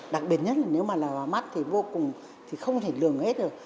đặc biệt nhất là nếu mà là vào mắt thì vô cùng thì không thể lường hết được